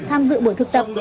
tham dự buổi thực tập